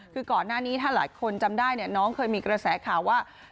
คือก่อนหน้านี้ถ้าหลายคนจำได้น้องเคยมีกระแสข่าวว่า